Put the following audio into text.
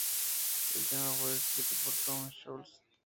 El tema fue escrito por Tom Scholz.